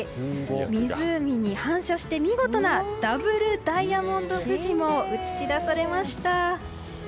湖に反射して見事なダブルダイヤモンド富士も映し出されました。